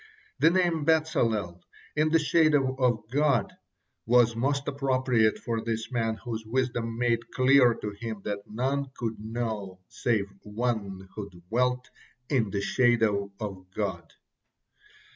The name Bezalel, "in the shadow of God," was most appropriate for this man whose wisdom made clear to him what none could know save one who dwelt "in the shadow of God."